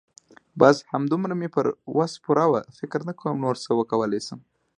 بس همدومره مې پر وس پوره وه. فکر نه کوم نور څه وکولای شم.